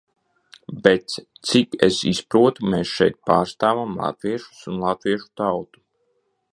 Bet, cik es izprotu, mēs šeit pārstāvam latviešus un latviešu tautu.